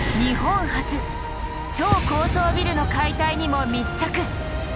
超高層ビルの解体にも密着。